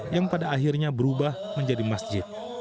yang pada akhirnya berubah menjadi masjid